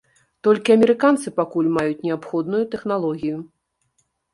Толькі амерыканцы пакуль маюць неабходную тэхналогію.